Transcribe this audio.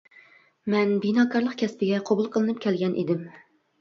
مەن بىناكارلىق كەسپىگە قوبۇل قىلىنىپ كەلگەن ئىدىم.